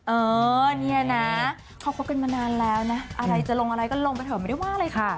เออเนี่ยนะเขาคบกันมานานแล้วนะอะไรจะลงอะไรก็ลงไปเถอะไม่ได้ว่าเลยค่ะ